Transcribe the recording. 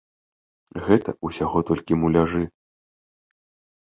Гэта ўсяго толькі муляжы.